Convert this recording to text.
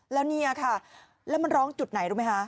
แล้วเนี่ยค่ะแล้วมันร้องจุดไหนรู้ไหมคะ